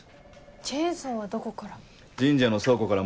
チェーンソーはどこから？